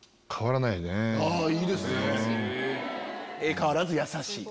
変わらず優しい。